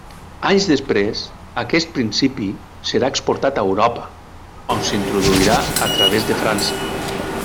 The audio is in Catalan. Anys després aquest principi serà exportat a Europa, on s'introduirà a través de França.